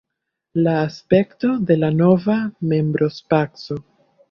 La aspekto de la nova membrospaco.